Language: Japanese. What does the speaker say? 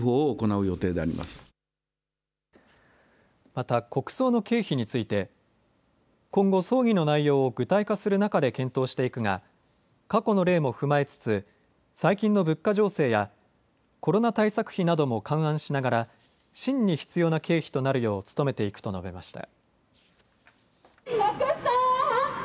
また国葬の経費について今後、葬儀の内容を具体化する中で検討していくが過去の例も踏まえつつ最近の物価情勢やコロナ対策費なども勘案しながら真に必要な経費となるよう努めていくと述べました。